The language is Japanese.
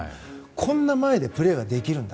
こんな前でプレーできるんだ。